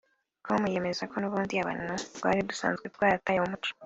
com yemeza ko n’ubundi abantu twari dusanzwe twarataye umuco